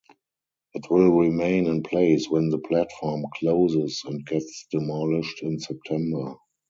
It will remain in place when the platform closes and gets demolished in September.